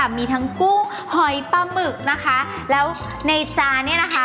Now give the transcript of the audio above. มีทั้งกุ้งหอยปลาหมึกนะคะแล้วในจานเนี่ยนะคะ